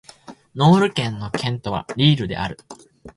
ノール県の県都はリールである